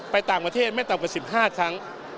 ไปต่างประเทศไม่ต่ำกว่า๑๕ครั้ง